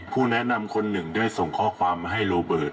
แนะนำคนหนึ่งได้ส่งข้อความมาให้โรเบิร์ต